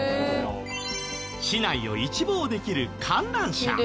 市内を一望できる観覧車。